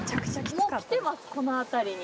もう来てます、この辺りに。